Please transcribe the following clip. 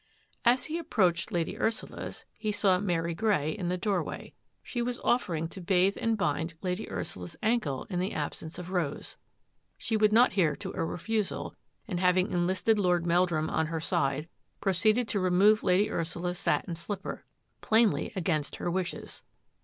As he approached Lady Ursula's, he saw Mary Grey in the doorway. She was offering to batKe and bind Lady Ursula's ankle in the absence of Rose. She would not hear to a refusal, and having enlisted Lord Meldrum on her side, proceeded to remove Lady Ursula's satin slipper, plainly against her wishes.